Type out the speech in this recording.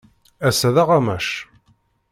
Ass-a d aɣamac.